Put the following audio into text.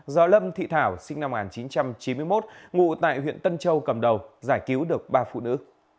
do lâm thị thảo sinh năm một nghìn chín trăm chín mươi một ngụ tại huyện tân châu cầm đầu giải cứu được ba phụ nữ